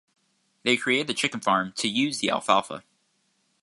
They created a chicken farm to use the alfalfa.